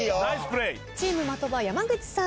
チーム的場山口さん。